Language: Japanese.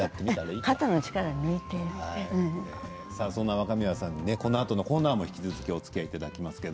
若宮さんに、このあとのコーナーにもおつきあいいただきます。